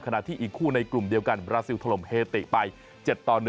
ขณะที่อีกคู่ในกลุ่มเดียวกันบราซิลถล่มเฮติไป๗ต่อ๑